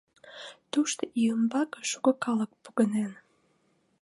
Тушто ий ӱмбаке шуко калык погынен.